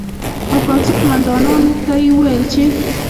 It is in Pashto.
او پوځي قومندانانو ته یې وویل چې